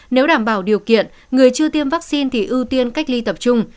nếu đảm bảo điều kiện người chưa tiêm vaccine thì ưu tiên cách ly tập trung